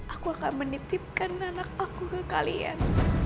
aku akan menitipkan anak aku ke kalian